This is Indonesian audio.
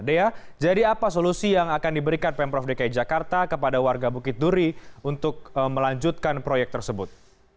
dea jadi apa solusi yang akan diberikan pemprov dki jakarta kepada warga bukit duri untuk melanjutkan proyek tersebut